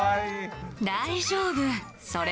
大丈夫。